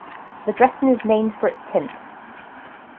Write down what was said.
The dressing is named for its tint.